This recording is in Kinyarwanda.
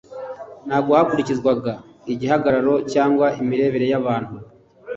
ntabwo hakurikizwaga igihagararo cyangwa imirebere y'abantu,